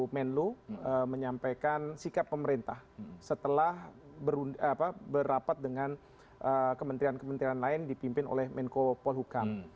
menlo menyampaikan sikap pemerintah setelah berrapat dengan kementerian kementerian lain dipimpin oleh menko polhukam